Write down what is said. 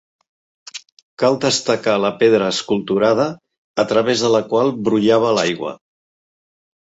Cal destacar la pedra esculturada a través de la qual brollava l'aigua.